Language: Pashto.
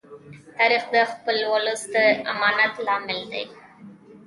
تاریخ د خپل ولس د امانت لامل دی.